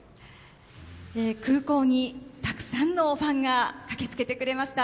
空港にたくさんのファンが駆けつけてくれました。